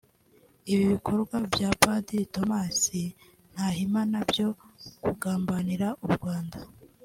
Ibi bikorwa bya Padiri Thomas Nahimana byo kugambanira u Rwanda